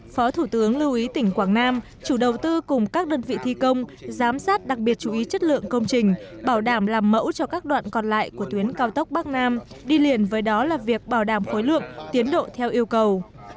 phó thủ tướng lưu ý tỉnh quảng nam chủ đầu tư cùng các đơn vị thi công giám sát đặc biệt chú ý chất lượng công trình bảo đảm làm mẫu cho các đoạn còn lại của tuyến cao tốc bắc nam đi liền với đó là việc bảo đảm khối lượng tiến độ theo yêu cầu